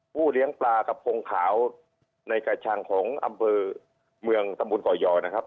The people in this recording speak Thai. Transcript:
เลี้ยงปลากระพงขาวในกระชังของอำเภอเมืองตำบลก่อยอนะครับ